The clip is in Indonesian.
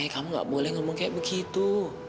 kamu gak boleh ngomong kayak begitu